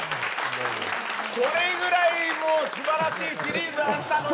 それぐらいすばらしいシリーズだったのに。